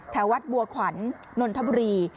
วัดบัวขวัญนนทบุรี